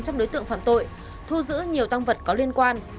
đối với tượng phạm tội thu giữ nhiều tăng vật có liên quan